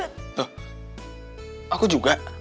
hah aku juga